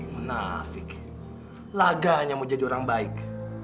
menang laga hanya mau jadi orang baik